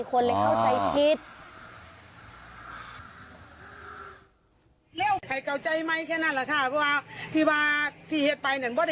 คนเลยเข้าใจผิด